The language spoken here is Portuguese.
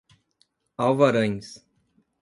Alvarães